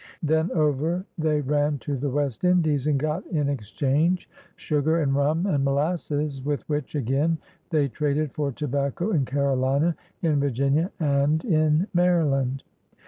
Then over they ran to the West Indies, and got m exchange sugar and rum and molasses, with which again they traded for tobacco in Carolina, in Virginia, and in Maryland.